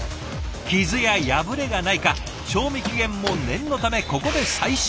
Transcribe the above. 傷や破れがないか賞味期限も念のためここで最終チェック。